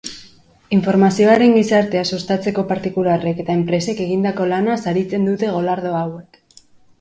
Informazioaren gizartea sustatzeko partikularrek eta enpresek egindako lana saritzen dute golardo hauek.